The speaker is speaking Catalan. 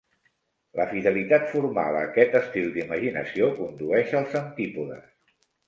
La fidelitat formal a aquest estil d'imaginació condueix als antípodes.